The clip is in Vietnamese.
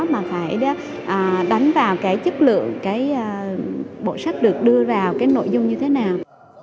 mà phải đánh vào chất lượng bộ sách được đưa vào nội dung như thế nào